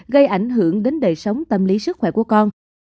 gây ảnh hưởng đến đời sống tâm lý sức khỏe của con